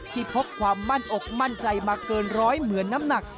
พบความมั่นอกมั่นใจมาเกินร้อยเหมือนน้ำหนัก